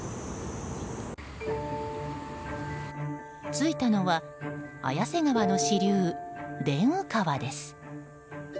着いたのは綾瀬川の支流、伝右川です。